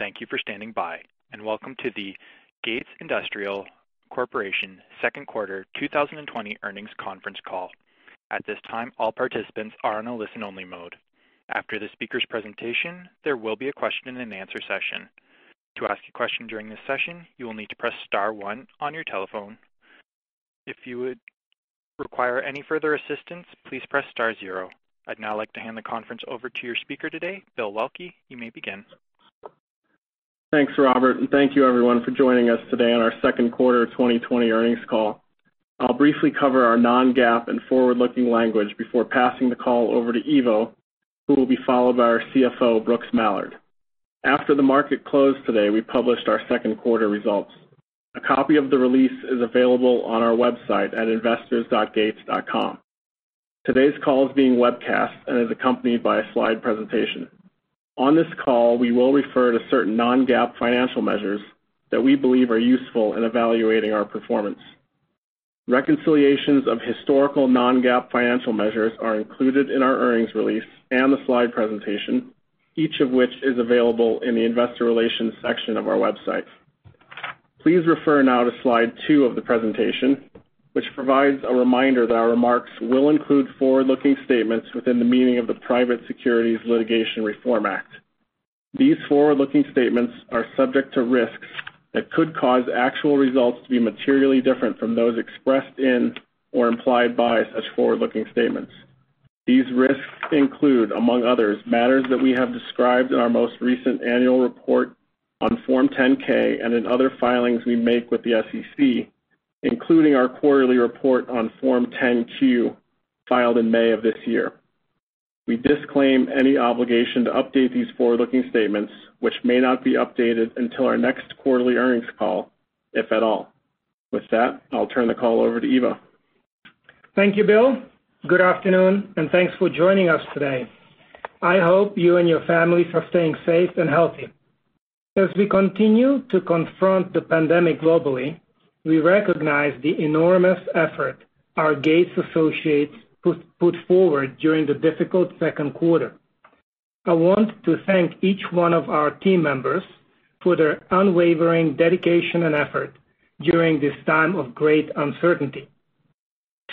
Thank you for standing by, and welcome to the Gates Industrial Corporation second quarter 2020 earnings conference call. At this time, all participants are on a listen-only mode. After the speaker's presentation, there will be a question-and-answer session. To ask a question during this session, you will need to press star one on your telephone. If you would require any further assistance, please press star zero. I'd now like to hand the conference over to your speaker today, Bill Waelke. You may begin. Thanks, Robert, and thank you, everyone, for joining us today on our second quarter 2020 earnings call. I'll briefly cover our non-GAAP and forward-looking language before passing the call over to Ivo, who will be followed by our CFO, Brooks Mallard. After the market closed today, we published our second quarter results. A copy of the release is available on our website at investors.gates.com. Today's call is being webcast and is accompanied by a slide presentation. On this call, we will refer to certain non-GAAP financial measures that we believe are useful in evaluating our performance. Reconciliations of historical non-GAAP financial measures are included in our earnings release and the slide presentation, each of which is available in the investor relations section of our website. Please refer now to slide two of the presentation, which provides a reminder that our remarks will include forward-looking statements within the meaning of the Private Securities Litigation Reform Act. These forward-looking statements are subject to risks that could cause actual results to be materially different from those expressed in or implied by such forward-looking statements. These risks include, among others, matters that we have described in our most recent annual report on Form 10-K and in other filings we make with the SEC, including our quarterly report on Form 10-Q filed in May of this year. We disclaim any obligation to update these forward-looking statements, which may not be updated until our next quarterly earnings call, if at all. With that, I'll turn the call over to Ivo. Thank you, Bill. Good afternoon, and thanks for joining us today. I hope you and your families are staying safe and healthy. As we continue to confront the pandemic globally, we recognize the enormous effort our Gates associates put forward during the difficult second quarter. I want to thank each one of our team members for their unwavering dedication and effort during this time of great uncertainty.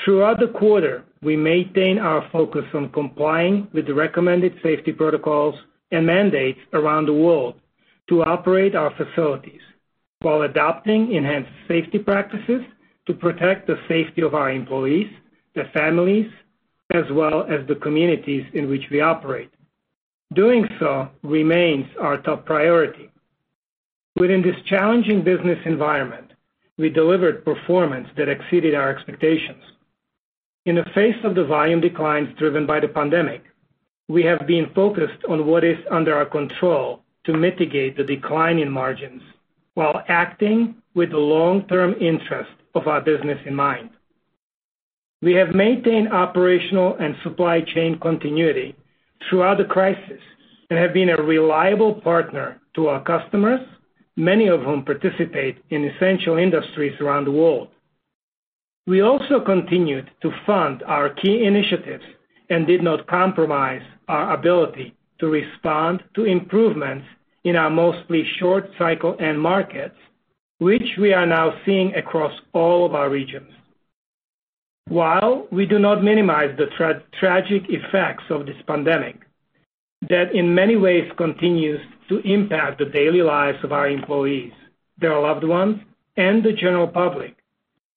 Throughout the quarter, we maintain our focus on complying with the recommended safety protocols and mandates around the world to operate our facilities while adopting enhanced safety practices to protect the safety of our employees, their families, as well as the communities in which we operate. Doing so remains our top priority. Within this challenging business environment, we delivered performance that exceeded our expectations. In the face of the volume declines driven by the pandemic, we have been focused on what is under our control to mitigate the decline in margins while acting with the long-term interest of our business in mind. We have maintained operational and supply chain continuity throughout the crisis and have been a reliable partner to our customers, many of whom participate in essential industries around the world. We also continued to fund our key initiatives and did not compromise our ability to respond to improvements in our mostly short-cycle end markets, which we are now seeing across all of our regions. While we do not minimize the tragic effects of this pandemic, that in many ways continues to impact the daily lives of our employees, their loved ones, and the general public,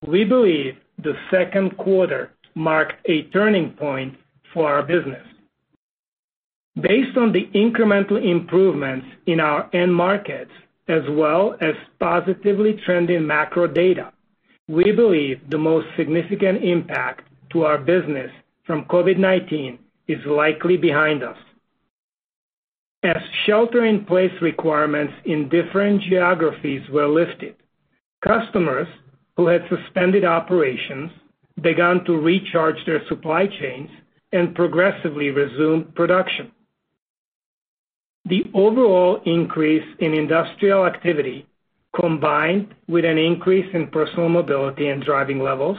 we believe the second quarter marked a turning point for our business. Based on the incremental improvements in our end markets, as well as positively trending macro data, we believe the most significant impact to our business from COVID-19 is likely behind us. As shelter-in-place requirements in different geographies were lifted, customers who had suspended operations began to recharge their supply chains and progressively resumed production. The overall increase in industrial activity, combined with an increase in personal mobility and driving levels,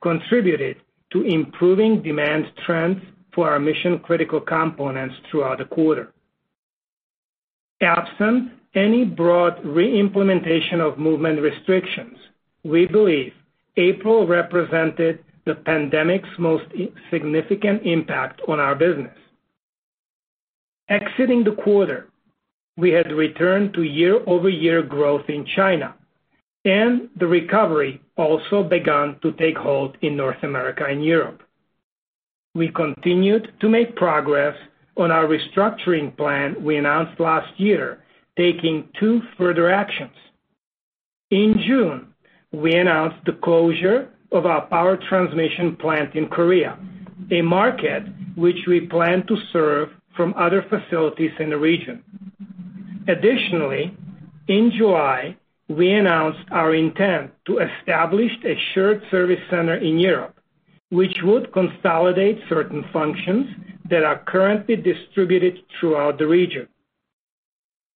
contributed to improving demand trends for our mission-critical components throughout the quarter. Absent any broad re-implementation of movement restrictions, we believe April represented the pandemic's most significant impact on our business. Exiting the quarter, we had returned to year-over-year growth in China, and the recovery also began to take hold in North America and Europe. We continued to make progress on our restructuring plan we announced last year, taking two further actions. In June, we announced the closure of our power transmission plant in Korea, a market which we plan to serve from other facilities in the region. Additionally, in July, we announced our intent to establish a shared service center in Europe, which would consolidate certain functions that are currently distributed throughout the region.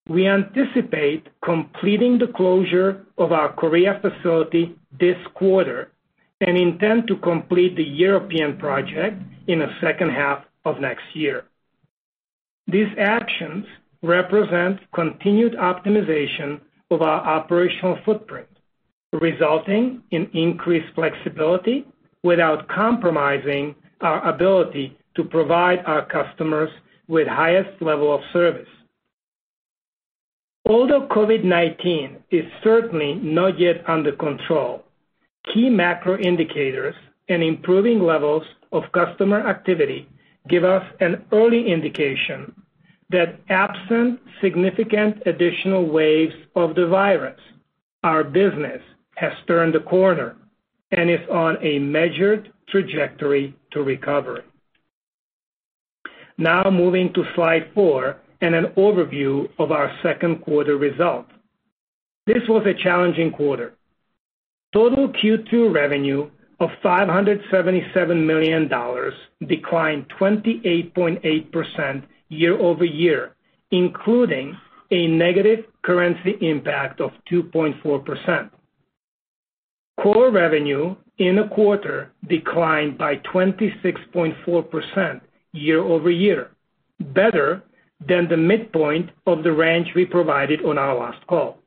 We anticipate completing the closure of our Korea facility this quarter and intend to complete the European project in the second half of next year. These actions represent continued optimization of our operational footprint, resulting in increased flexibility without compromising our ability to provide our customers with the highest level of service. Although COVID-19 is certainly not yet under control, key macro indicators and improving levels of customer activity give us an early indication that absent significant additional waves of the virus, our business has turned the corner and is on a measured trajectory to recovery. Now, moving to slide four and an overview of our second quarter result. This was a challenging quarter. Total Q2 revenue of $577 million declined 28.8% year-over-year, including a negative currency impact of 2.4%. Core revenue in the quarter declined by 26.4% year-over-year, better than the midpoint of the range we provided on our last call.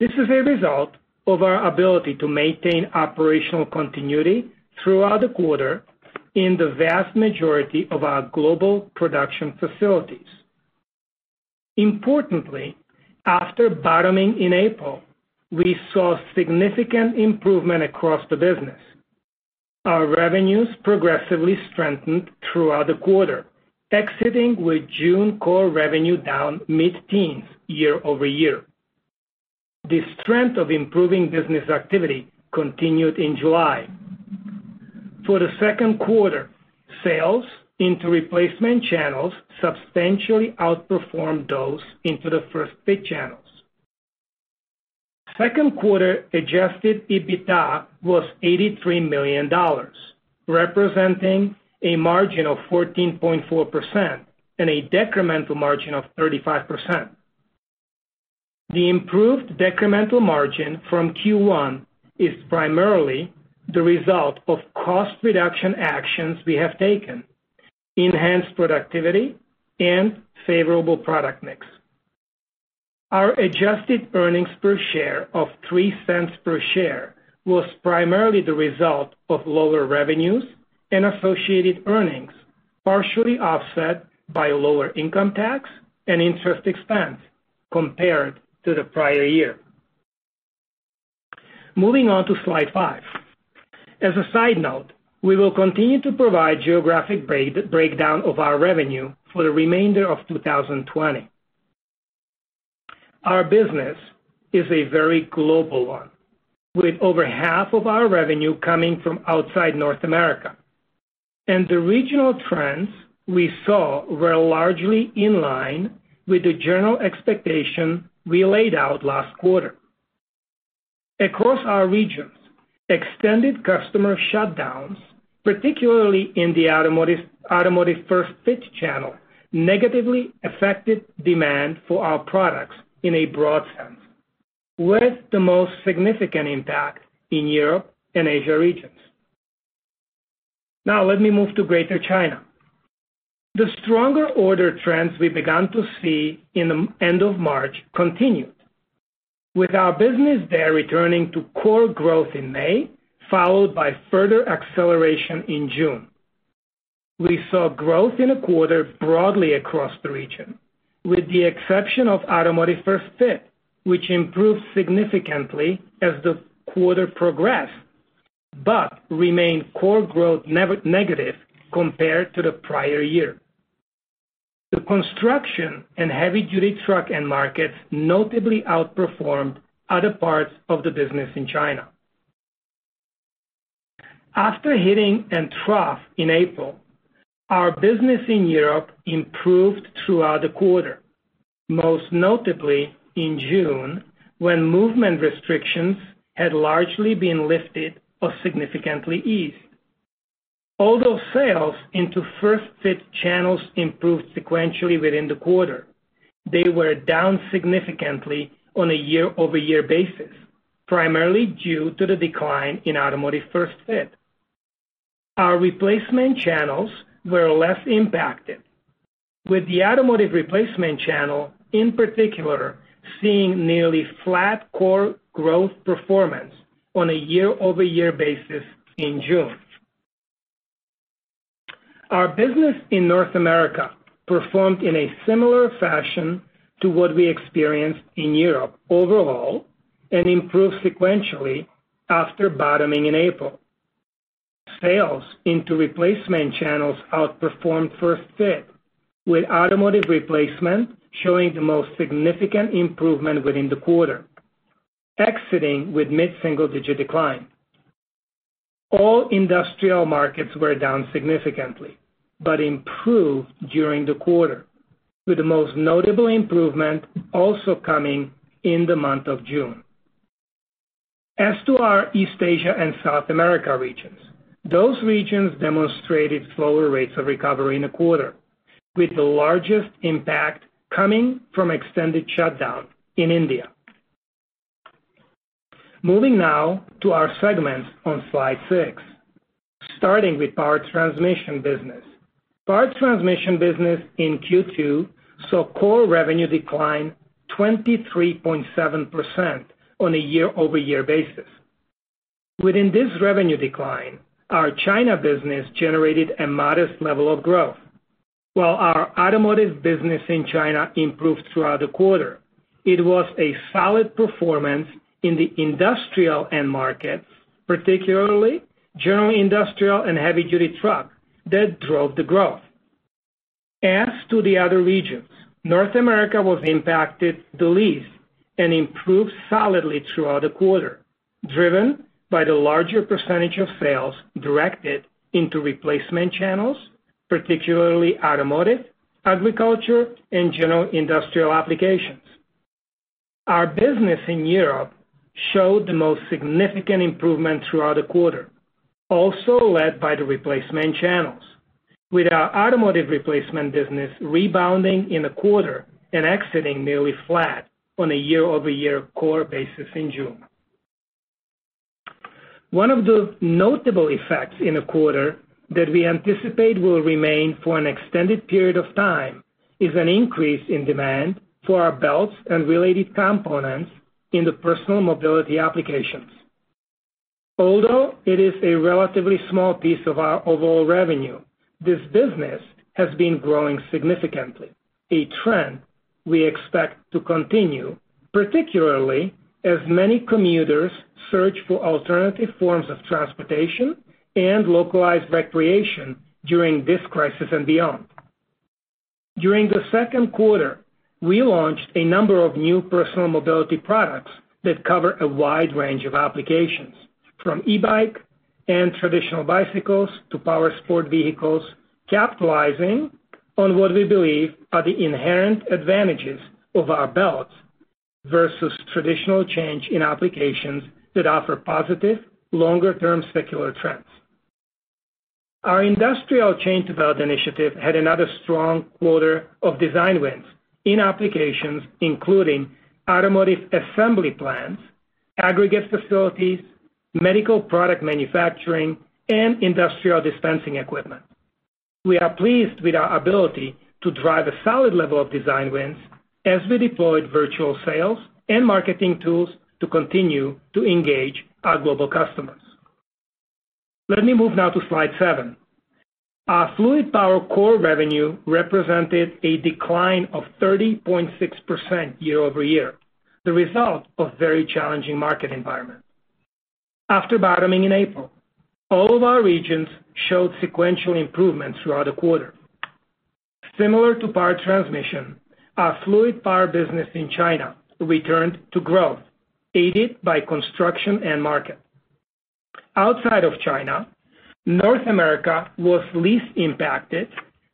This is a result of our ability to maintain operational continuity throughout the quarter in the vast majority of our global production facilities. Importantly, after bottoming in April, we saw significant improvement across the business. Our revenues progressively strengthened throughout the quarter, exiting with June core revenue down mid-teens year-over-year. The strength of improving business activity continued in July. For the second quarter, sales into replacement channels substantially outperformed those into the first-fit channels. Second quarter adjusted EBITDA was $83 million, representing a margin of 14.4% and a decremental margin of 35%. The improved decremental margin from Q1 is primarily the result of cost-reduction actions we have taken, enhanced productivity, and favorable product mix. Our adjusted earnings per share of $0.03 per share was primarily the result of lower revenues and associated earnings, partially offset by lower income tax and interest expense compared to the prior year. Moving on to slide five. As a side note, we will continue to provide geographic breakdown of our revenue for the remainder of 2020. Our business is a very global one, with over half of our revenue coming from outside North America, and the regional trends we saw were largely in line with the general expectation we laid out last quarter. Across our regions, extended customer shutdowns, particularly in the automotive first-fit channel, negatively affected demand for our products in a broad sense, with the most significant impact in Europe and Asia regions. Now, let me move to Greater China. The stronger order trends we began to see in the end of March continued, with our business there returning to core growth in May, followed by further acceleration in June. We saw growth in the quarter broadly across the region, with the exception of automotive first-fit, which improved significantly as the quarter progressed but remained core growth negative compared to the prior year. The construction and heavy-duty truck end markets notably outperformed other parts of the business in China. After hitting a trough in April, our business in Europe improved throughout the quarter, most notably in June when movement restrictions had largely been lifted or significantly eased. Although sales into first-fit channels improved sequentially within the quarter, they were down significantly on a year-over-year basis, primarily due to the decline in automotive first-fit. Our replacement channels were less impacted, with the automotive replacement channel in particular seeing nearly flat core growth performance on a year-over-year basis in June. Our business in North America performed in a similar fashion to what we experienced in Europe overall and improved sequentially after bottoming in April. Sales into replacement channels outperformed first-fit, with automotive replacement showing the most significant improvement within the quarter, exiting with mid-single-digit decline. All industrial markets were down significantly but improved during the quarter, with the most notable improvement also coming in the month of June. As to our East Asia and South America regions, those regions demonstrated slower rates of recovery in the quarter, with the largest impact coming from extended shutdown in India. Moving now to our segments on slide six, starting with power transmission business. Power transmission business in Q2 saw core revenue decline 23.7% on a year-over-year basis. Within this revenue decline, our China business generated a modest level of growth. While our automotive business in China improved throughout the quarter, it was a solid performance in the industrial end markets, particularly general industrial and heavy-duty truck, that drove the growth. As to the other regions, North America was impacted the least and improved solidly throughout the quarter, driven by the larger percentage of sales directed into replacement channels, particularly automotive, agriculture, and general industrial applications. Our business in Europe showed the most significant improvement throughout the quarter, also led by the replacement channels, with our automotive replacement business rebounding in the quarter and exiting nearly flat on a year-over-year core basis in June. One of the notable effects in the quarter that we anticipate will remain for an extended period of time is an increase in demand for our belts and related components in the personal mobility applications. Although it is a relatively small piece of our overall revenue, this business has been growing significantly, a trend we expect to continue, particularly as many commuters search for alternative forms of transportation and localized recreation during this crisis and beyond. During the second quarter, we launched a number of new personal mobility products that cover a wide range of applications, from e-bike and traditional bicycles to power sport vehicles, capitalizing on what we believe are the inherent advantages of our belts versus traditional chain in applications that offer positive longer-term secular trends. Our industrial change-to-belt initiative had another strong quarter of design wins in applications, including automotive assembly plants, aggregate facilities, medical product manufacturing, and industrial dispensing equipment. We are pleased with our ability to drive a solid level of design wins as we deployed virtual sales and marketing tools to continue to engage our global customers. Let me move now to slide seven. Our fluid power core revenue represented a decline of 30.6% year-over-year, the result of a very challenging market environment. After bottoming in April, all of our regions showed sequential improvements throughout the quarter. Similar to power transmission, our fluid power business in China returned to growth, aided by construction end market. Outside of China, North America was least impacted,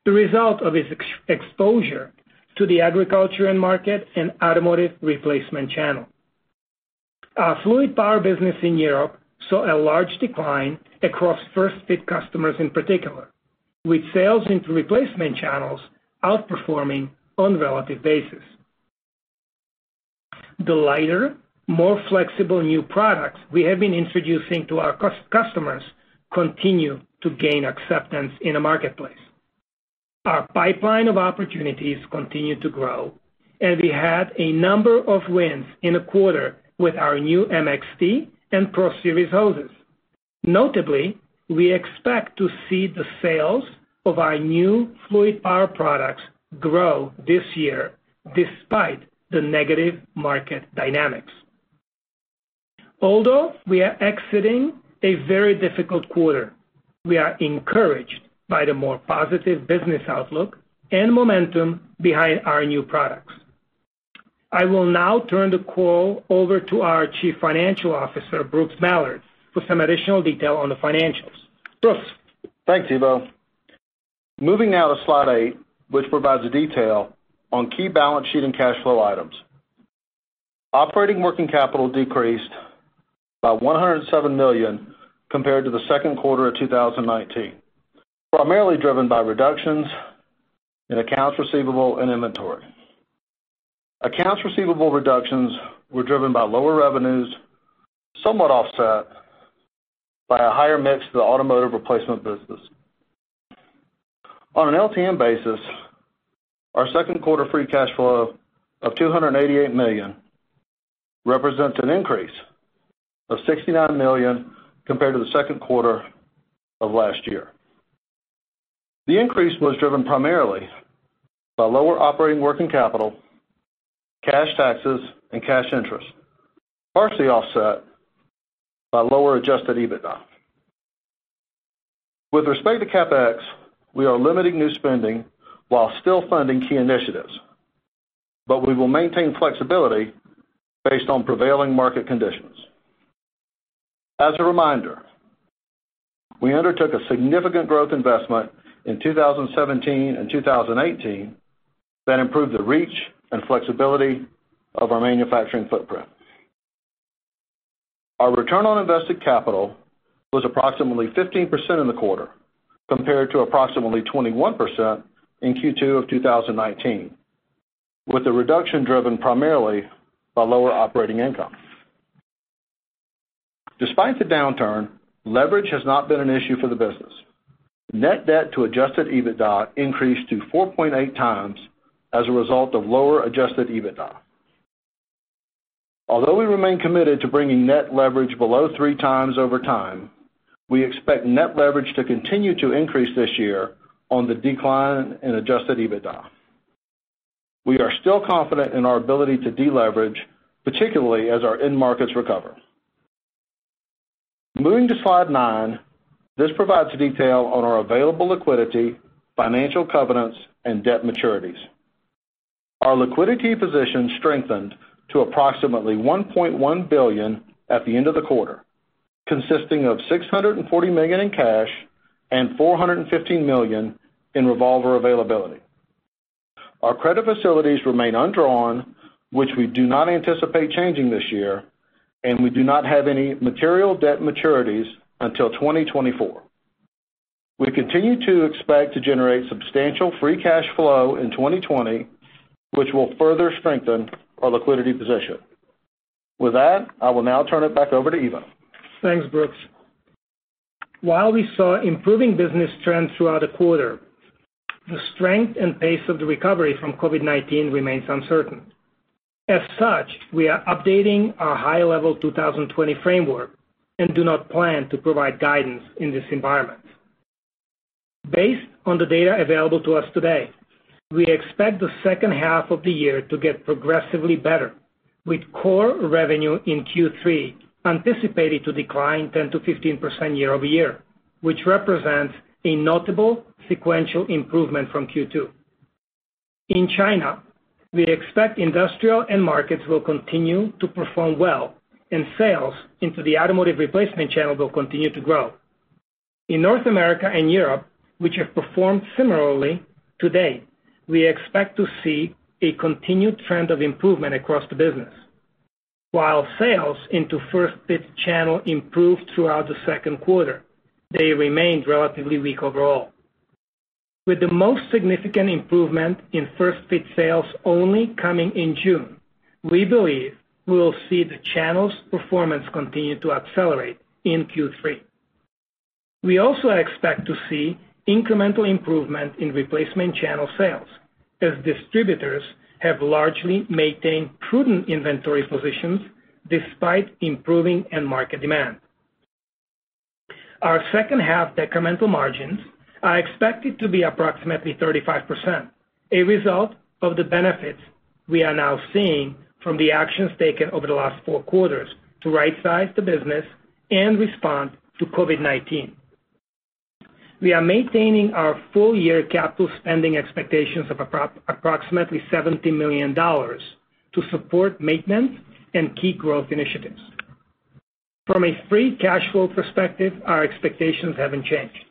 the result of its exposure to the agriculture end market and automotive replacement channel. Our fluid power business in Europe saw a large decline across first-fit customers in particular, with sales into replacement channels outperforming on a relative basis. The lighter, more flexible new products we have been introducing to our customers continue to gain acceptance in the marketplace. Our pipeline of opportunities continued to grow, and we had a number of wins in the quarter with our new MXT and Pro Series hoses. Notably, we expect to see the sales of our new fluid power products grow this year despite the negative market dynamics. Although we are exiting a very difficult quarter, we are encouraged by the more positive business outlook and momentum behind our new products. I will now turn the call over to our Chief Financial Officer, Brooks Mallard, for some additional detail on the financials. Brooks. Thank you, Bill. Moving now to slide eight, which provides a detail on key balance sheet and cash flow items. Operating working capital decreased by $107 million compared to the second quarter of 2019, primarily driven by reductions in accounts receivable and inventory. Accounts receivable reductions were driven by lower revenues, somewhat offset by a higher mix of the automotive replacement business. On an LTM basis, our second quarter free cash flow of $288 million represents an increase of $69 million compared to the second quarter of last year. The increase was driven primarily by lower operating working capital, cash taxes, and cash interest, partially offset by lower adjusted EBITDA. With respect to CapEx, we are limiting new spending while still funding key initiatives, but we will maintain flexibility based on prevailing market conditions. As a reminder, we undertook a significant growth investment in 2017 and 2018 that improved the reach and flexibility of our manufacturing footprint. Our return on invested capital was approximately 15% in the quarter compared to approximately 21% in Q2 of 2019, with the reduction driven primarily by lower operating income. Despite the downturn, leverage has not been an issue for the business. Net debt to adjusted EBITDA increased to 4.8 times as a result of lower adjusted EBITDA. Although we remain committed to bringing net leverage below three times over time, we expect net leverage to continue to increase this year on the decline in adjusted EBITDA. We are still confident in our ability to deleverage, particularly as our end markets recover. Moving to slide nine, this provides a detail on our available liquidity, financial covenants, and debt maturities. Our liquidity position strengthened to approximately $1.1 billion at the end of the quarter, consisting of $640 million in cash and $415 million in revolver availability. Our credit facilities remain undrawn, which we do not anticipate changing this year, and we do not have any material debt maturities until 2024. We continue to expect to generate substantial free cash flow in 2020, which will further strengthen our liquidity position. With that, I will now turn it back over to Ivo. Thanks, Brooks. While we saw improving business trends throughout the quarter, the strength and pace of the recovery from COVID-19 remains uncertain. As such, we are updating our high-level 2020 framework and do not plan to provide guidance in this environment. Based on the data available to us today, we expect the second half of the year to get progressively better, with core revenue in Q3 anticipated to decline 10-15% year-over-year, which represents a notable sequential improvement from Q2. In China, we expect industrial end markets will continue to perform well, and sales into the automotive replacement channel will continue to grow. In North America and Europe, which have performed similarly, today we expect to see a continued trend of improvement across the business. While sales into first-fit channel improved throughout the second quarter, they remained relatively weak overall. With the most significant improvement in first-fit sales only coming in June, we believe we will see the channel's performance continue to accelerate in Q3. We also expect to see incremental improvement in replacement channel sales, as distributors have largely maintained prudent inventory positions despite improving end market demand. Our second-half decremental margins are expected to be approximately 35%, a result of the benefits we are now seeing from the actions taken over the last four quarters to right-size the business and respond to COVID-19. We are maintaining our full-year capital spending expectations of approximately $70 million to support maintenance and key growth initiatives. From a free cash flow perspective, our expectations have not changed.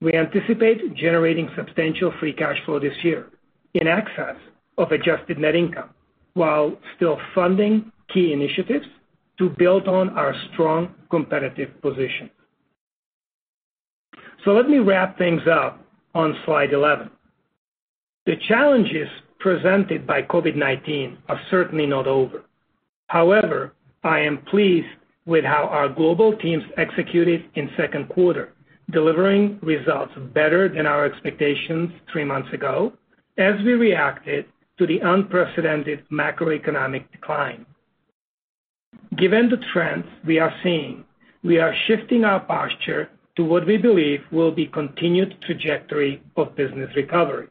We anticipate generating substantial free cash flow this year in excess of adjusted net income while still funding key initiatives to build on our strong competitive position. Let me wrap things up on slide 11. The challenges presented by COVID-19 are certainly not over. However, I am pleased with how our global teams executed in second quarter, delivering results better than our expectations three months ago as we reacted to the unprecedented macroeconomic decline. Given the trends we are seeing, we are shifting our posture to what we believe will be a continued trajectory of business recovery.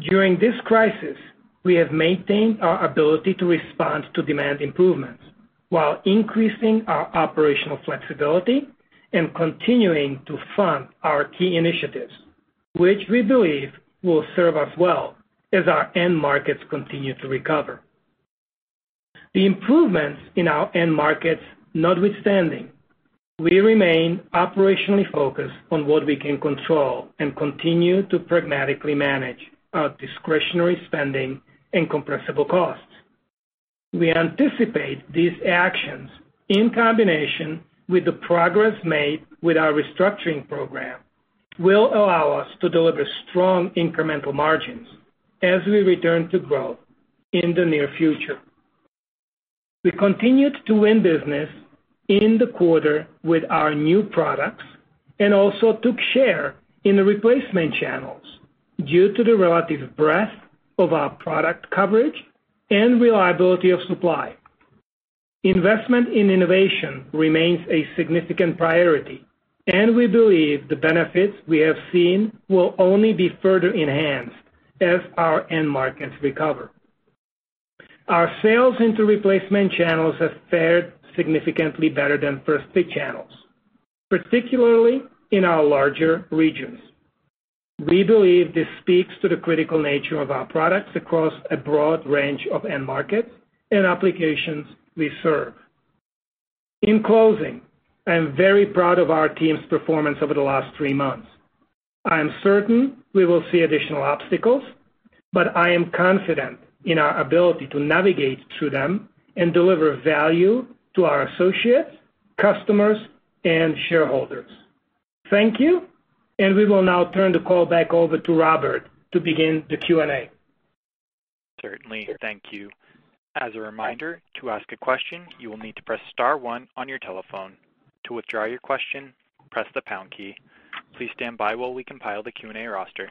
During this crisis, we have maintained our ability to respond to demand improvements while increasing our operational flexibility and continuing to fund our key initiatives, which we believe will serve us well as our end markets continue to recover. The improvements in our end markets notwithstanding, we remain operationally focused on what we can control and continue to pragmatically manage our discretionary spending and compressible costs. We anticipate these actions, in combination with the progress made with our restructuring program, will allow us to deliver strong incremental margins as we return to growth in the near future. We continued to win business in the quarter with our new products and also took share in the replacement channels due to the relative breadth of our product coverage and reliability of supply. Investment in innovation remains a significant priority, and we believe the benefits we have seen will only be further enhanced as our end markets recover. Our sales into replacement channels have fared significantly better than first-fit channels, particularly in our larger regions. We believe this speaks to the critical nature of our products across a broad range of end markets and applications we serve. In closing, I'm very proud of our team's performance over the last three months. I am certain we will see additional obstacles, but I am confident in our ability to navigate through them and deliver value to our associates, customers, and shareholders. Thank you, and we will now turn the call back over to Robert to begin the Q&A. Certainly, thank you. As a reminder, to ask a question, you will need to press star one on your telephone. To withdraw your question, press the pound key. Please stand by while we compile the Q&A roster.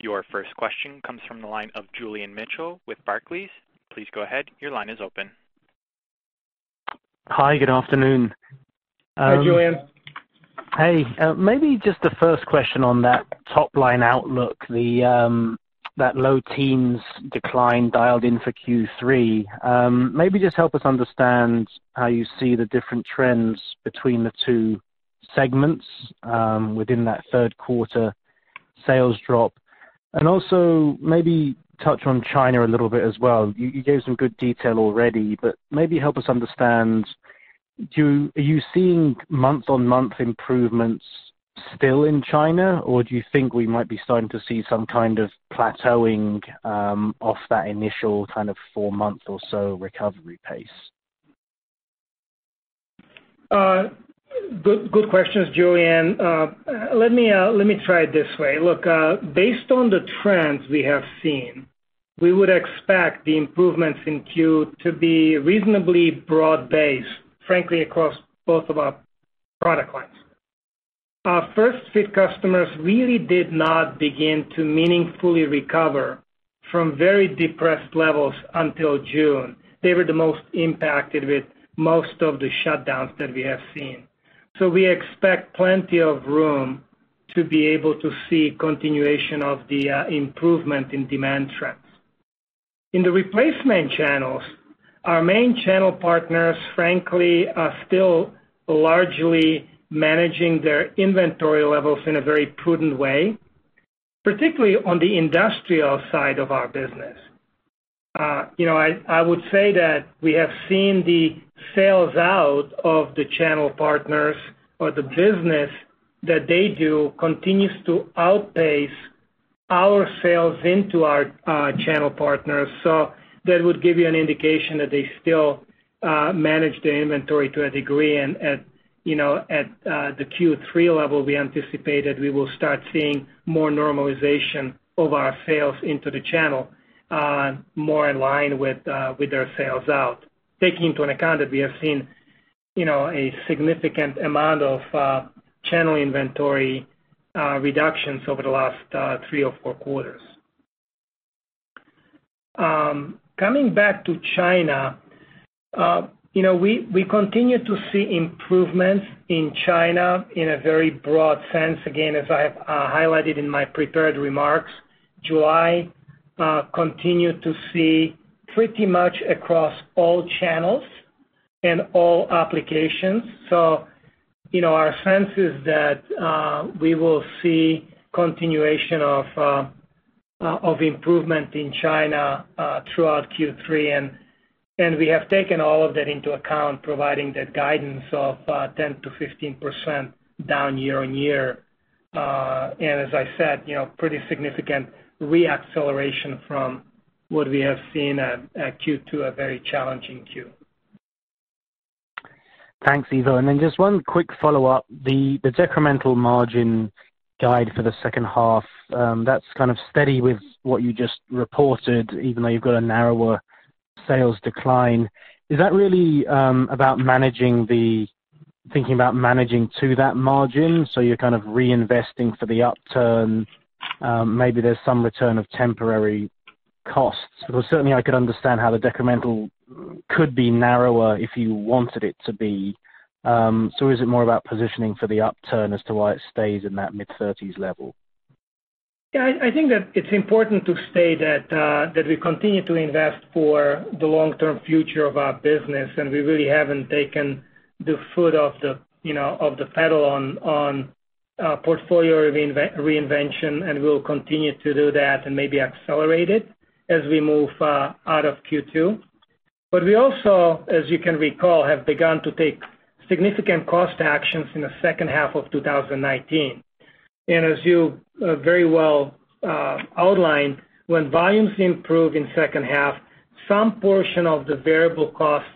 Your first question comes from the line of Julian Mitchell with Barclays. Please go ahead. Your line is open. Hi, good afternoon. Hi, Julian. Hey, maybe just the first question on that top-line outlook, that low teens decline dialed in for Q3. Maybe just help us understand how you see the different trends between the two segments within that third quarter sales drop. And also maybe touch on China a little bit as well. You gave some good detail already, but maybe help us understand, are you seeing month-on-month improvements still in China, or do you think we might be starting to see some kind of plateauing off that initial kind of four-month or so recovery pace? Good questions, Julian. Let me try it this way. Look, based on the trends we have seen, we would expect the improvements in Q2 to be reasonably broad-based, frankly, across both of our product lines. Our first-fit customers really did not begin to meaningfully recover from very depressed levels until June. They were the most impacted with most of the shutdowns that we have seen. We expect plenty of room to be able to see continuation of the improvement in demand trends. In the replacement channels, our main channel partners, frankly, are still largely managing their inventory levels in a very prudent way, particularly on the industrial side of our business. I would say that we have seen the sales out of the channel partners or the business that they do continues to outpace our sales into our channel partners. That would give you an indication that they still manage the inventory to a degree. At the Q3 level, we anticipate that we will start seeing more normalization of our sales into the channel, more in line with their sales out, taking into account that we have seen a significant amount of channel inventory reductions over the last three or four quarters. Coming back to China, we continue to see improvements in China in a very broad sense. Again, as I have highlighted in my prepared remarks, July continued to see pretty much across all channels and all applications. Our sense is that we will see continuation of improvement in China throughout Q3. We have taken all of that into account, providing that guidance of 10%-15% down year on year. As I said, pretty significant re-acceleration from what we have seen at Q2, a very challenging Q. Thanks, Ivo. One quick follow-up. The decremental margin guide for the second half, that is kind of steady with what you just reported, even though you have got a narrower sales decline. Is that really about managing the thinking about managing to that margin? You are kind of reinvesting for the upturn. Maybe there is some return of temporary costs. Because certainly, I could understand how the decremental could be narrower if you wanted it to be. Is it more about positioning for the upturn as to why it stays in that mid-30s level? I think that it's important to state that we continue to invest for the long-term future of our business, and we really haven't taken the foot off the pedal on portfolio reinvention, and we'll continue to do that and maybe accelerate it as we move out of Q2. We also, as you can recall, have begun to take significant cost actions in the second half of 2019. As you very well outlined, when volumes improve in second half, some portion of the variable costs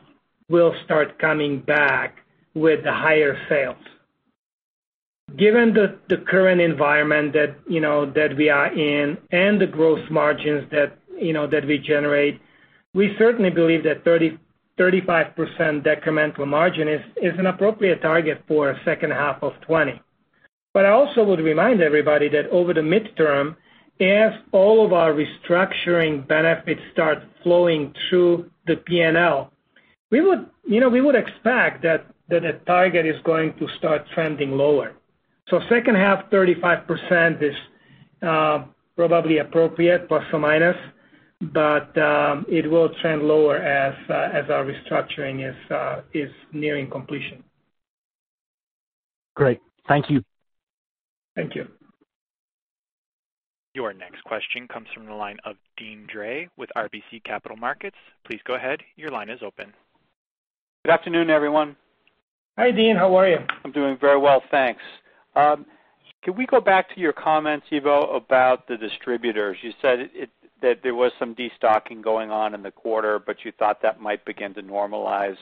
will start coming back with the higher sales. Given the current environment that we are in and the gross margins that we generate, we certainly believe that 35% decremental margin is an appropriate target for second half of 2020. I also would remind everybody that over the midterm, as all of our restructuring benefits start flowing through the P&L, we would expect that the target is going to start trending lower. Second half, 35% is probably appropriate, plus or minus, but it will trend lower as our restructuring is nearing completion. Great. Thank you. Thank you. Your next question comes from the line of Dean Drake with RBC Capital Markets. Please go ahead. Your line is open. Good afternoon, everyone. Hi, Dean. How are you? I'm doing very well, thanks. Can we go back to your comments, Ivo, about the distributors? You said that there was some destocking going on in the quarter, but you thought that might begin to normalize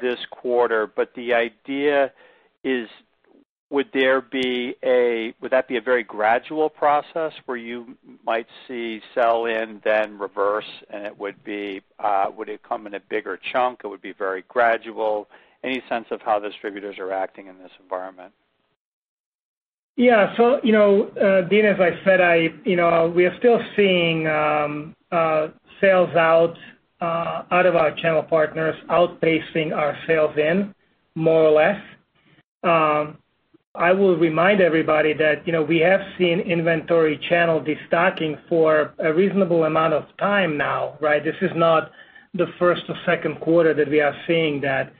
this quarter. The idea is, would that be a very gradual process where you might see sell in, then reverse, and would it come in a bigger chunk? It would be very gradual. Any sense of how distributors are acting in this environment? Yeah. Dean, as I said, we are still seeing sales out of our channel partners outpacing our sales in, more or less. I will remind everybody that we have seen inventory channel destocking for a reasonable amount of time now, right? This is not the first or second quarter that we are seeing that.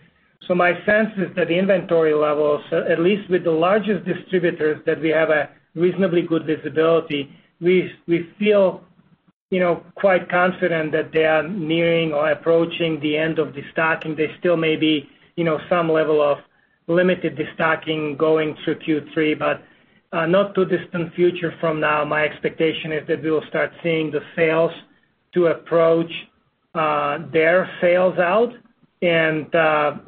My sense is that the inventory levels, at least with the largest distributors that we have a reasonably good visibility, we feel quite confident that they are nearing or approaching the end of destocking. There is still maybe some level of limited destocking going through Q3, but not too distant future from now. My expectation is that we will start seeing the sales to approach their sales out, and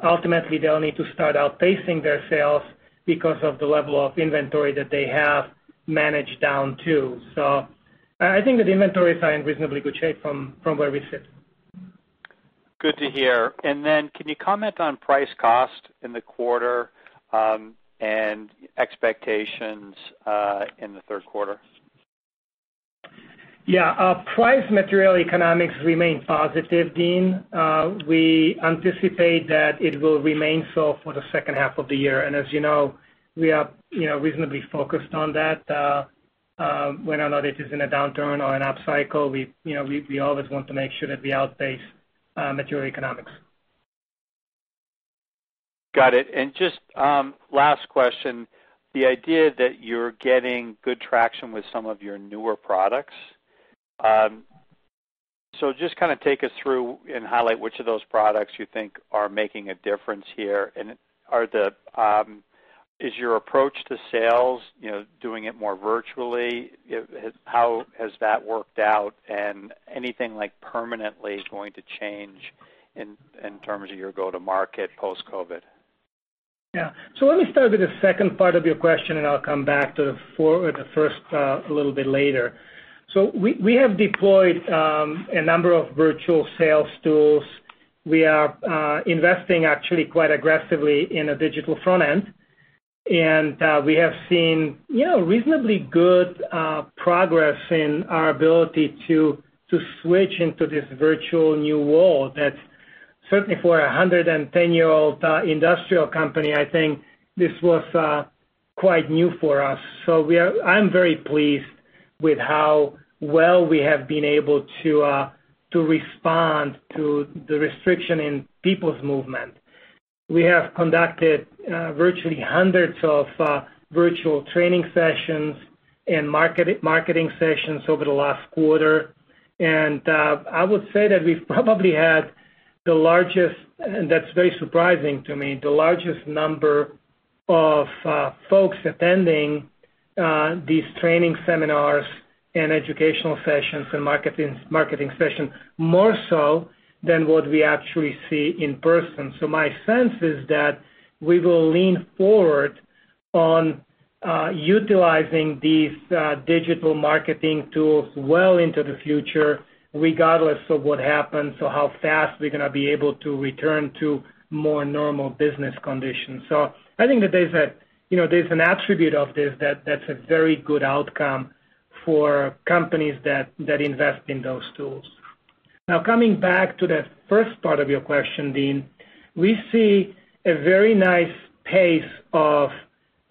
ultimately, they will need to start outpacing their sales because of the level of inventory that they have managed down to. I think that inventories are in reasonably good shape from where we sit. Good to hear. Can you comment on price cost in the quarter and expectations in the third quarter? Yeah. Price material economics remain positive, Dean. We anticipate that it will remain so for the second half of the year. As you know, we are reasonably focused on that. Whether or not it is in a downturn or an upcycle, we always want to make sure that we outpace material economics. Got it. Just last question, the idea that you're getting good traction with some of your newer products. Just kind of take us through and highlight which of those products you think are making a difference here. Is your approach to sales doing it more virtually? How has that worked out? Is anything permanently going to change in terms of your go-to-market post-COVID? Yeah. Let me start with the second part of your question, and I'll come back to the first a little bit later. We have deployed a number of virtual sales tools. We are investing actually quite aggressively in a digital front end, and we have seen reasonably good progress in our ability to switch into this virtual new world that certainly for a 110-year-old industrial company, I think this was quite new for us. I am very pleased with how well we have been able to respond to the restriction in people's movement. We have conducted virtually hundreds of virtual training sessions and marketing sessions over the last quarter. I would say that we have probably had the largest, and that is very surprising to me, the largest number of folks attending these training seminars and educational sessions and marketing sessions, more so than what we actually see in person. My sense is that we will lean forward on utilizing these digital marketing tools well into the future, regardless of what happens or how fast we're going to be able to return to more normal business conditions. I think that there's an attribute of this that's a very good outcome for companies that invest in those tools. Now, coming back to that first part of your question, Dean, we see a very nice pace of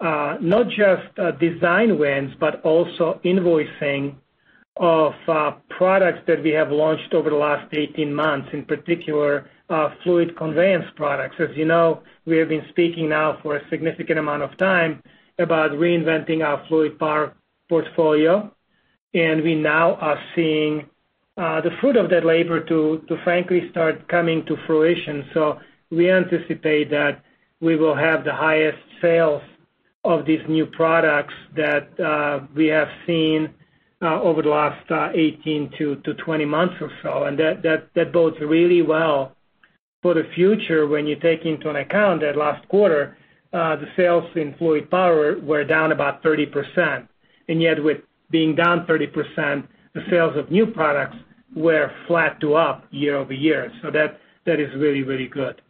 not just design wins, but also invoicing of products that we have launched over the last 18 months, in particular fluid conveyance products. As you know, we have been speaking now for a significant amount of time about reinventing our fluid portfolio, and we now are seeing the fruit of that labor to, frankly, start coming to fruition. We anticipate that we will have the highest sales of these new products that we have seen over the last 18-20 months or so. That bodes really well for the future when you take into account that last quarter, the sales in fluid power were down about 30%. Yet, with being down 30%, the sales of new products were flat to up year-over-year. That is really, really good.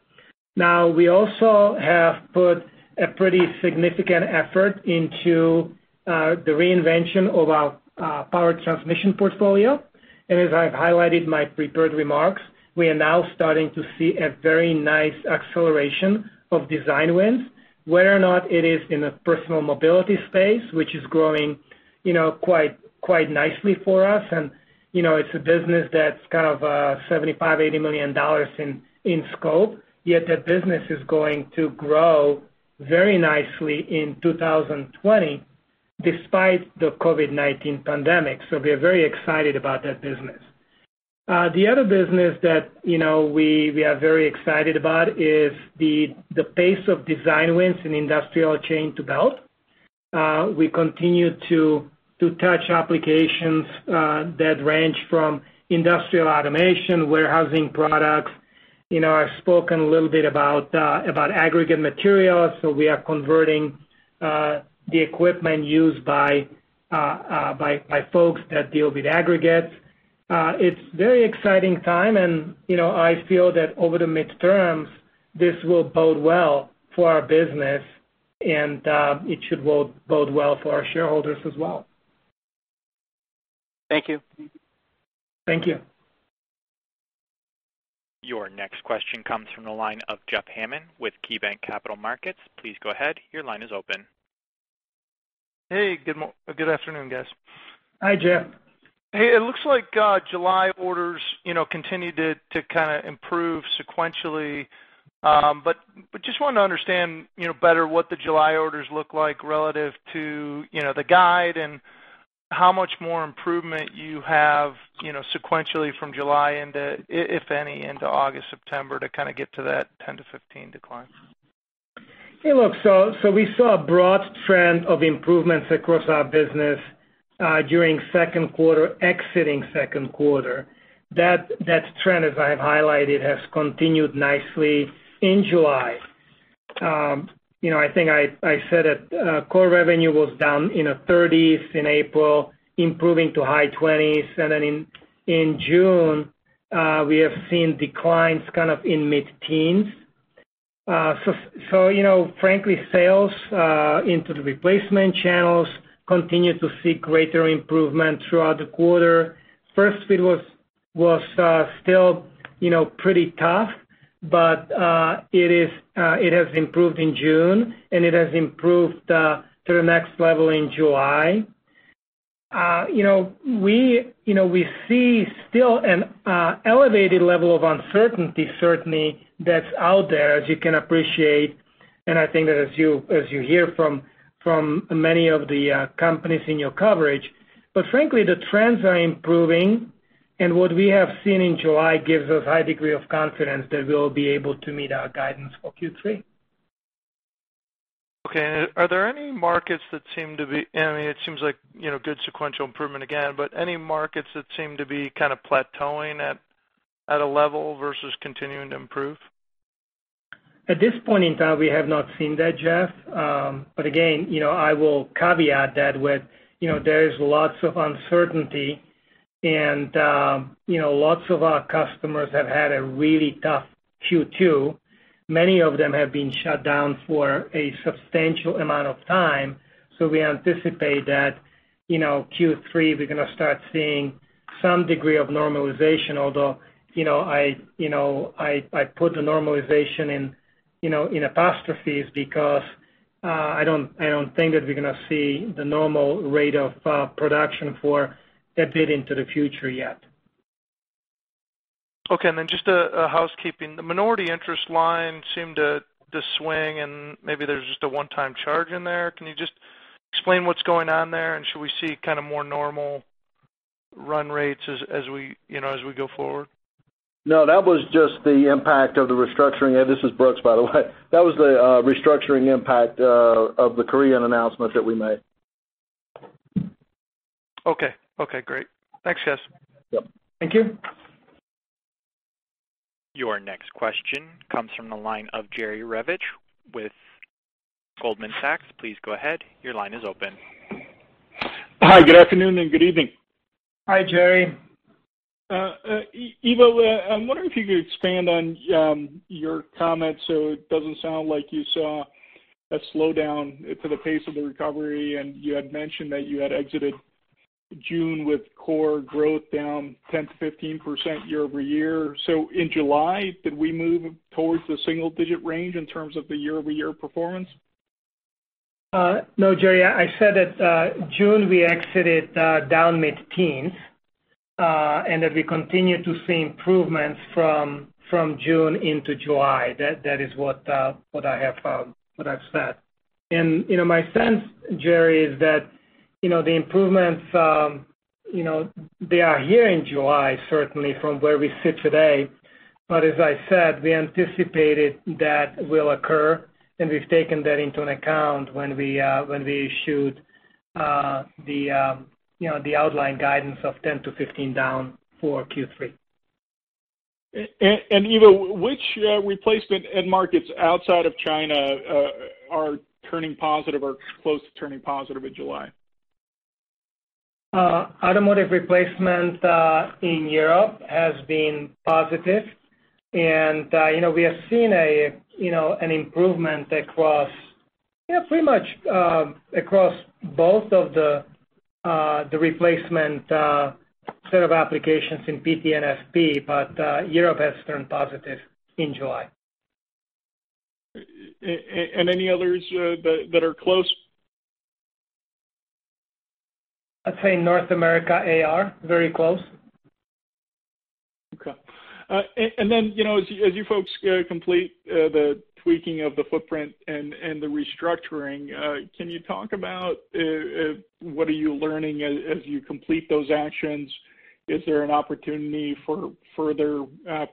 We also have put a pretty significant effort into the reinvention of our power transmission portfolio. As I have highlighted in my prepared remarks, we are now starting to see a very nice acceleration of design wins, whether or not it is in the personal mobility space, which is growing quite nicely for us. It's a business that's kind of $75 million-$80 million in scope, yet that business is going to grow very nicely in 2020 despite the COVID-19 pandemic. We are very excited about that business. The other business that we are very excited about is the pace of design wins in industrial chain to belt. We continue to touch applications that range from industrial automation, warehousing products. I have spoken a little bit about aggregate materials. We are converting the equipment used by folks that deal with aggregates. It's a very exciting time, and I feel that over the midterms, this will bode well for our business, and it should bode well for our shareholders as well. Thank you. Thank you. Your next question comes from the line of Jeff Hammond with KeyBanc Capital Markets. Please go ahead. Your line is open. Hey, good afternoon, guys. Hi, Jeff. Hey, it looks like July orders continue to kind of improve sequentially. Just wanted to understand better what the July orders look like relative to the guide and how much more improvement you have sequentially from July, if any, into August, September to kind of get to that 10-15% decline. Hey, look, we saw a broad trend of improvements across our business during second quarter, exiting second quarter. That trend, as I have highlighted, has continued nicely in July. I think I said that core revenue was down in the 30s in April, improving to high 20s. In June, we have seen declines kind of in mid-teens. Frankly, sales into replacement channels continue to see greater improvement throughout the quarter. First-fit was still pretty tough, but it has improved in June, and it has improved to the next level in July. We see still an elevated level of uncertainty, certainly, that's out there, as you can appreciate. I think that as you hear from many of the companies in your coverage. Frankly, the trends are improving, and what we have seen in July gives us a high degree of confidence that we'll be able to meet our guidance for Q3. Okay. Are there any markets that seem to be—I mean, it seems like good sequential improvement again, but any markets that seem to be kind of plateauing at a level versus continuing to improve? At this point in time, we have not seen that, Jeff. I will caveat that with there's lots of uncertainty, and lots of our customers have had a really tough Q2. Many of them have been shut down for a substantial amount of time. We anticipate that Q3, we're going to start seeing some degree of normalization, although I put the normalization in apostrophes because I don't think that we're going to see the normal rate of production for a bit into the future yet. Okay. And then just a housekeeping. The minority interest line seemed to swing, and maybe there's just a one-time charge in there. Can you just explain what's going on there, and should we see kind of more normal run rates as we go forward? No, that was just the impact of the restructuring. This is Brooks, by the way. That was the restructuring impact of the Korean announcement that we made. Okay. Okay. Great. Thanks, guys. Thank you. Your next question comes from the line of Jerry Rewicz with Goldman Sachs. Please go ahead. Your line is open. Hi, good afternoon and good evening. Hi, Jerry. Eva, I'm wondering if you could expand on your comments so it doesn't sound like you saw a slowdown to the pace of the recovery. And you had mentioned that you had exited June with core growth down 10-15% year over year. In July, did we move towards the single-digit range in terms of the year-over-year performance? No, Jerry. I said that June we exited down mid-teens and that we continue to see improvements from June into July. That is what I have said. My sense, Jerry, is that the improvements, they are here in July, certainly, from where we sit today. As I said, we anticipated that will occur, and we've taken that into account when we issued the outline guidance of 10-15% down for Q3. Eva, which replacement and markets outside of China are turning positive or close to turning positive in July? Automotive replacement in Europe has been positive, and we have seen an improvement pretty much across both of the replacement set of applications in PT and FP, but Europe has turned positive in July. Any others that are close? I'd say North America AR, very close. As you folks complete the tweaking of the footprint and the restructuring, can you talk about what you are learning as you complete those actions? Is there an opportunity for further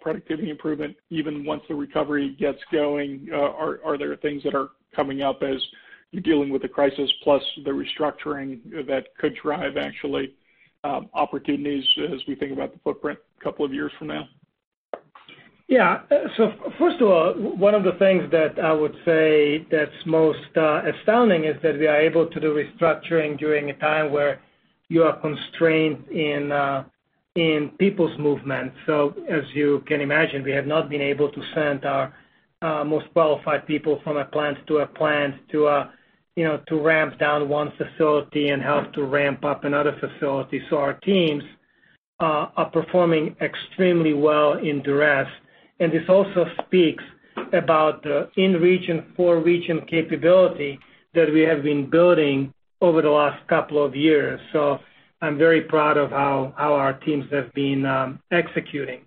productivity improvement even once the recovery gets going? Are there things that are coming up as you are dealing with the crisis plus the restructuring that could drive actually opportunities as we think about the footprint a couple of years from now? Yeah. First of all, one of the things that I would say that's most astounding is that we are able to do restructuring during a time where you are constrained in people's movement. As you can imagine, we have not been able to send our most qualified people from a plant to a plant to ramp down one facility and help to ramp up another facility. Our teams are performing extremely well in duress. This also speaks about the in-region, for-region capability that we have been building over the last couple of years. I am very proud of how our teams have been executing.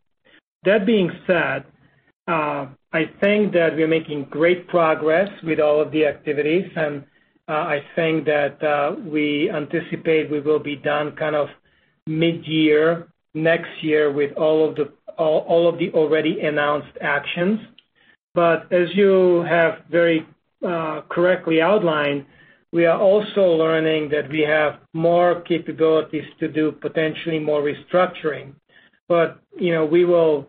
That being said, I think that we are making great progress with all of the activities, and I think that we anticipate we will be done kind of mid-year next year with all of the already announced actions. As you have very correctly outlined, we are also learning that we have more capabilities to do potentially more restructuring. We will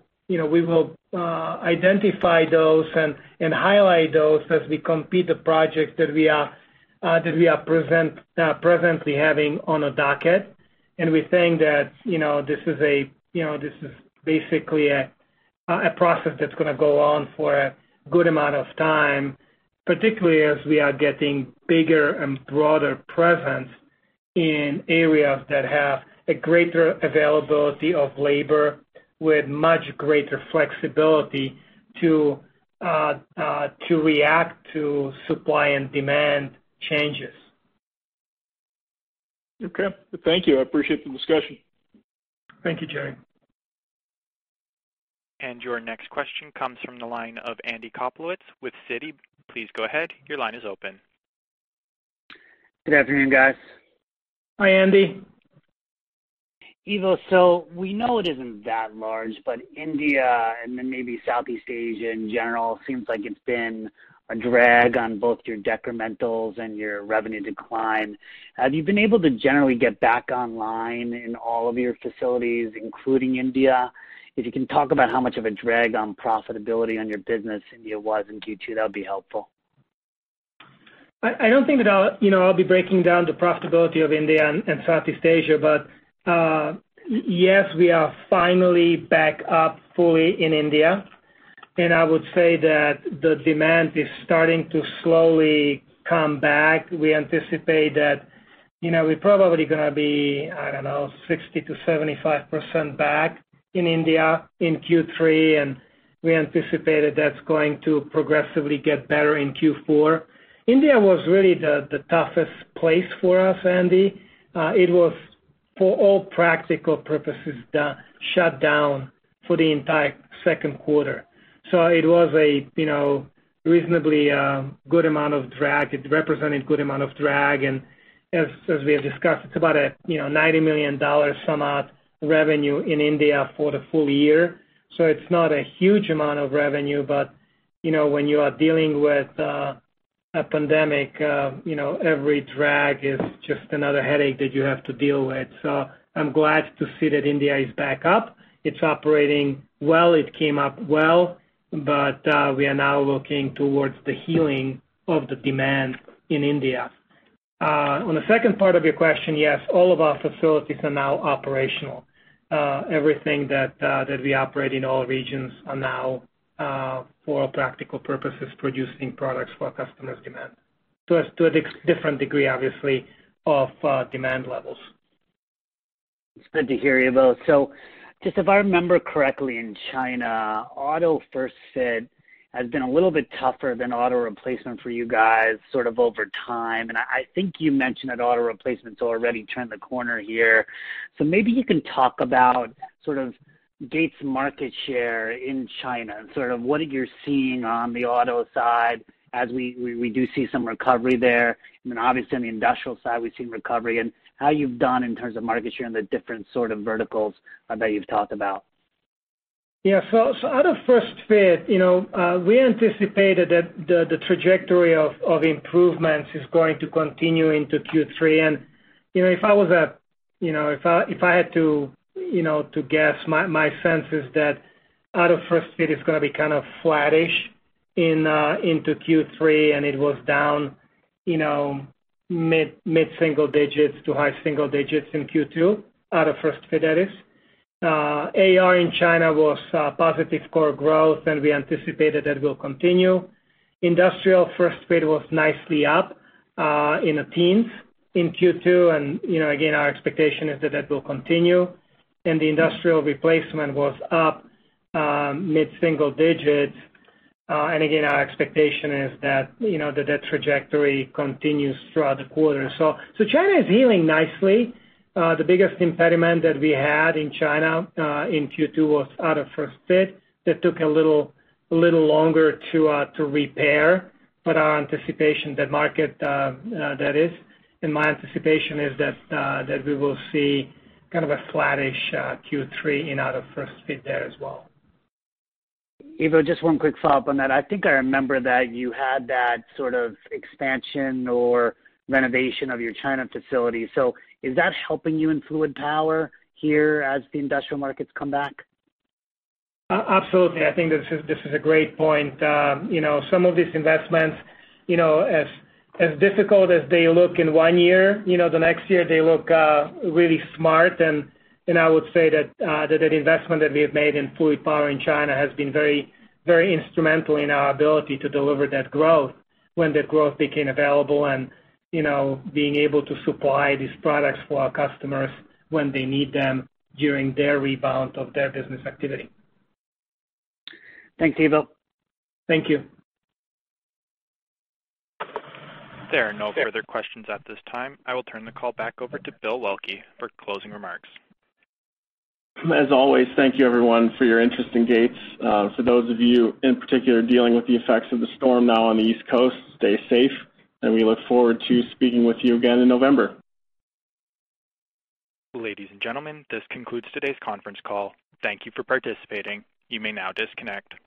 identify those and highlight those as we complete the project that we are presently having on a docket. We think that this is basically a process that's going to go on for a good amount of time, particularly as we are getting bigger and broader presence in areas that have a greater availability of labor with much greater flexibility to react to supply and demand changes. Okay. Thank you. I appreciate the discussion. Thank you, Jerry. Your next question comes from the line of Andy Koplowitz with Citi. Please go ahead. Your line is open. Good afternoon, guys. Hi, Andy. Eva, so we know it isn't that large, but India and then maybe Southeast Asia in general seems like it's been a drag on both your decrementals and your revenue decline. Have you been able to generally get back online in all of your facilities, including India? If you can talk about how much of a drag on profitability on your business India was in Q2, that would be helpful. I don't think that I'll be breaking down the profitability of India and Southeast Asia, but yes, we are finally back up fully in India. I would say that the demand is starting to slowly come back. We anticipate that we're probably going to be, I don't know, 60-75% back in India in Q3, and we anticipate that that's going to progressively get better in Q4. India was really the toughest place for us, Andy. It was, for all practical purposes, shut down for the entire second quarter. It was a reasonably good amount of drag. It represented a good amount of drag. As we have discussed, it's about a $90 million sum up revenue in India for the full year. It's not a huge amount of revenue, but when you are dealing with a pandemic, every drag is just another headache that you have to deal with. I'm glad to see that India is back up. It's operating well. It came up well, but we are now looking towards the healing of the demand in India. On the second part of your question, yes, all of our facilities are now operational. Everything that we operate in all regions are now, for practical purposes, producing products for customers' demand. It's to a different degree, obviously, of demand levels. It's good to hear you both. If I remember correctly, in China, auto first fit has been a little bit tougher than auto replacement for you guys over time. I think you mentioned that auto replacement has already turned the corner here. Maybe you can talk about Gates' market share in China and what you're seeing on the auto side as we do see some recovery there. On the industrial side, we've seen recovery in how you've done in terms of market share and the different verticals that you've talked about. Yeah. Out of first fit, we anticipated that the trajectory of improvements is going to continue into Q3. If I had to guess, my sense is that out of first fit is going to be kind of flattish into Q3, and it was down mid-single digits to high single digits in Q2. Out of first fit, that is. AR in China was positive core growth, and we anticipated that it will continue. Industrial first fit was nicely up in the teens in Q2. Again, our expectation is that that will continue. The industrial replacement was up mid-single digits. Again, our expectation is that that trajectory continues throughout the quarter. China is healing nicely. The biggest impediment that we had in China in Q2 was out of first fit. That took a little longer to repair, but our anticipation is that market is. My anticipation is that we will see kind of a flattish Q3 in out of first fit there as well. Eva, just one quick follow-up on that. I think I remember that you had that sort of expansion or renovation of your China facility. Is that helping you in fluid power here as the industrial markets come back? Absolutely. I think this is a great point. Some of these investments, as difficult as they look in one year, the next year they look really smart. I would say that that investment that we have made in fluid power in China has been very instrumental in our ability to deliver that growth when that growth became available and being able to supply these products for our customers when they need them during their rebound of their business activity. Thanks, Eva. Thank you. There are no further questions at this time. I will turn the call back over to Bill Waelke for closing remarks. As always, thank you everyone for your interest in Gates. For those of you in particular dealing with the effects of the storm now on the East Coast, stay safe, and we look forward to speaking with you again in November. Ladies and gentlemen, this concludes today's conference call. Thank you for participating. You may now disconnect.